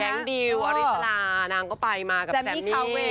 แกงดิวอริสรานางก็ไปมากับแซมมี่แซมมี่คาเวล